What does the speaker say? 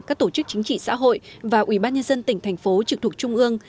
các tổ chức chính trị xã hội và ủy ban nhân dân tỉnh thành phố trực thuộc trung ương